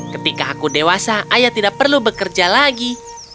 ketika aku dewasa ayah tidak perlu bekerja lagi